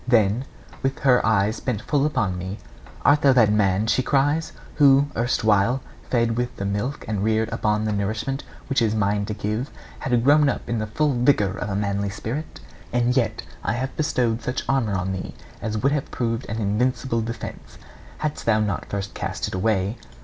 Then, with her eyes bent full upon me, 'Art thou that man,' she cries, 'who, erstwhile fed with the milk and reared upon the nourishment which is mine to give, had grown up to the full vigour of a manly spirit? And yet I had bestowed such armour on thee as would have proved an invincible defence, hadst thou not first cast it away.